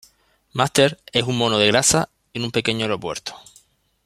Masters es un mono de grasa en un pequeño aeropuerto.